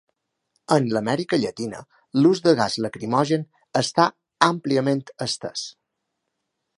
En l'Amèrica Llatina, l'ús del gas lacrimogen està àmpliament estès.